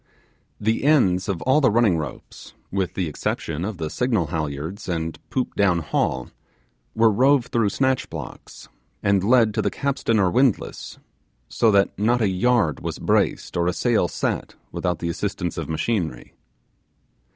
The ends of all the running ropes, with the exception of the signal halyards and poop down haul, were rove through snatch blocks, and led to the capstan or windlass, so that not a yard was braced or a sail set without the assistance of machinery.